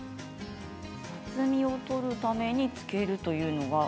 雑味を取るためにつけるというのは？